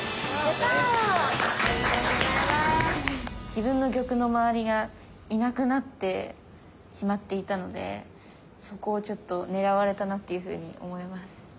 自分の玉の周りがいなくなってしまっていたのでそこをちょっと狙われたなっていうふうに思います。